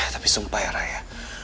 tapi sumpah ya raya